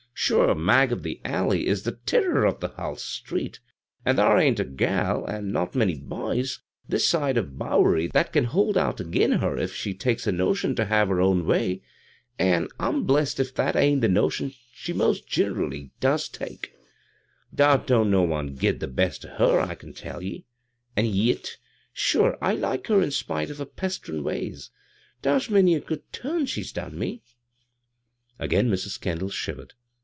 Sure, Mag of the Alley is the tirror of the hull street ; an' thar ain't a gal — an' not many b'ys — ^this side of the Bowery that can hould out agin her if she takes a notion ter have her own way — an' I'm blest tf that ain't the notion she most gineraliy does take I Thar don't no one git the best o' her, I can tell ye. An' yit — sure I like her in spite of her pesterin' ways. Thar's many a good turn she's done me I " Agam Mrs. Kendall shivered.